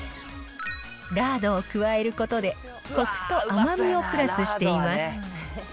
ラードを加えることで、こくと甘みをプラスしています。